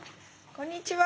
こんにちは。